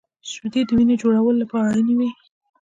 • شیدې د وینې جوړولو لپاره اړینې وي.